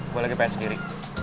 gue lagi pengen sendiri